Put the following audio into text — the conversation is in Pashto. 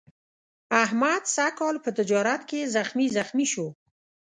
احمد سږ کال په تجارت کې زخمي زخمي شو.